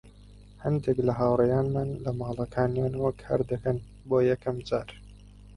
هەندێک لە هاوڕێیانمان لە ماڵەکانیانەوە کاردەکەن، بۆ یەکەم جار.